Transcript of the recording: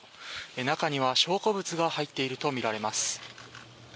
中には、証拠物が入っているとみられます。